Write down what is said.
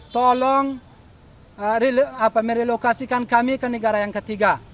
tolong merelokasikan kami ke negara yang ketiga